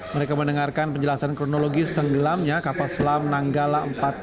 mereka mendengarkan penjelasan kronologis tenggelamnya kapal selam nanggala empat ratus dua